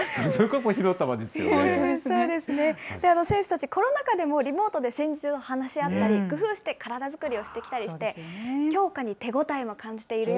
そうですね、選手たち、コロナ禍でも、リモートで戦術を話し合ったり、工夫して体づくりをしてきたりして、強化に手応えを感じているよ